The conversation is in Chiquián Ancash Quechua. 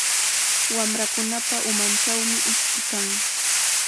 Wamrakunapa umanchawmi iski kan.